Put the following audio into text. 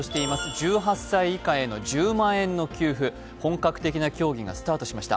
１８歳以下への１０万円の給付、本格的な協議がスタートしました。